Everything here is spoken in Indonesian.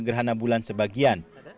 gerhana bulan sebagian